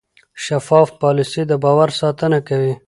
شفاف پالیسي د باور ساتنه کوي.